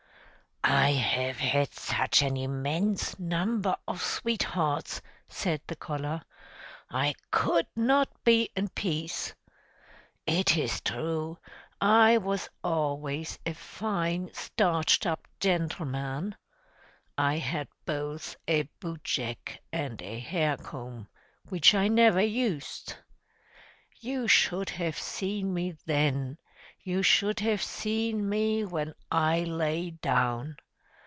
"I have had such an immense number of sweethearts!" said the collar. "I could not be in peace! It is true, I was always a fine starched up gentleman! I had both a boot jack and a hair comb, which I never used! You should have seen me then, you should have seen me when I lay down!